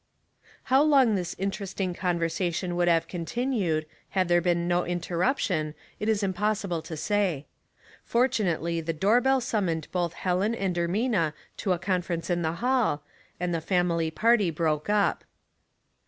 How long this interesting conversation would have continued, had there been no interruption, it is impossible to say. Fortunately the door bell summoned both Helen and Ermina to a confer ence in the hall, and the family party broke up.